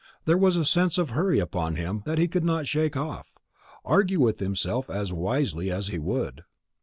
There was a sense of hurry upon him that he could not shake off, argue with himself as wisely as he would.